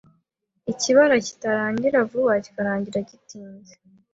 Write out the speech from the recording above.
ikibara kitarangira vuba kikarangira gitinze